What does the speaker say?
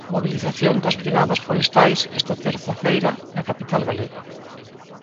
Mobilización das brigadas forestais, esta terza feira, na capital galega.